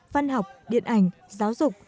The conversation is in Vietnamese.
văn học điện ảnh giáo dục